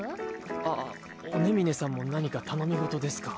あぁ尾根峰さんも何か頼み事ですか？